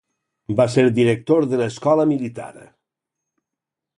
Va ser director de l'escola militar.